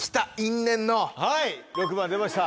はい６番出ました。